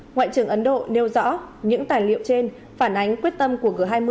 ngoại trưởng ấn độ nêu rõ những tài liệu trên phản ánh quyết tâm của g hai mươi